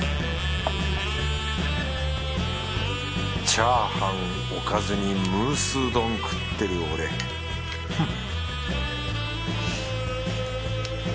チャーハンおかずにムースー丼食ってる俺フッ